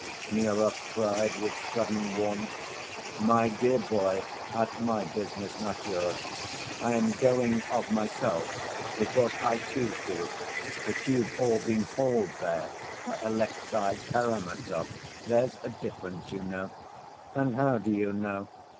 Smurov cried with sudden warmth. "My dear boy, that's my business, not yours. I am going of myself because I choose to, but you've all been hauled there by Alexey Karamazov—there's a difference, you know. And how do you know?